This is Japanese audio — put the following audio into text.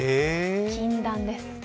禁断です。